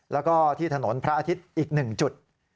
แล้วก็ที่ถนนพระอาทิตย์อีก๑จุด